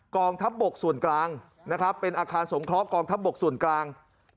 กองทัพบกส่วนกลางนะครับเป็นอาคารสงเคราะหกองทัพบกส่วนกลาง